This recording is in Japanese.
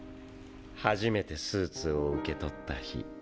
初めてスーツを受け取った日。